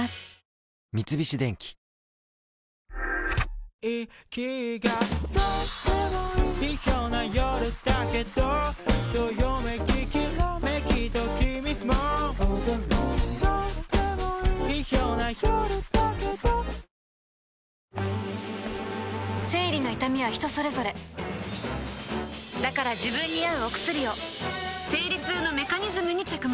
三菱電機生理の痛みは人それぞれだから自分に合うお薬を生理痛のメカニズムに着目